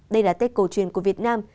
đây là tết cầu truyền của việt nam